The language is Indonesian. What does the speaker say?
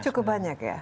cukup banyak ya